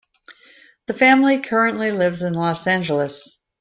The family currently lives in Los Angeles.